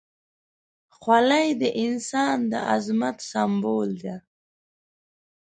خولۍ د انسان د عظمت سمبول ده.